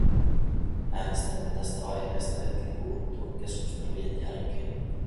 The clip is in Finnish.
Äänestämme tästä aiheesta hetken kuluttua keskustelujen jälkeen.